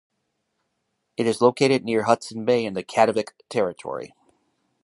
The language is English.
It is located near Hudson Bay in the Kativik territory.